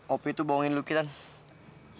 opi tuh bohongin luki tante